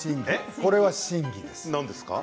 これは審議です。